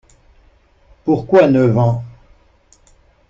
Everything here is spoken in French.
Pourquoi neuf ans?